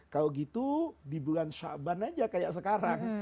kalau gitu di bulan syaban aja kayak sekarang